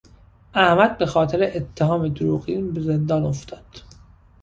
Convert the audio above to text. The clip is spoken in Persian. احمد به خاطر اتهام دروغین به زندان افتاد.